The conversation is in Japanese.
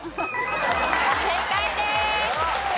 正解です。